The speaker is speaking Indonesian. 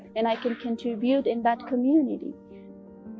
dan saya bisa berkontribusi di komunitas itu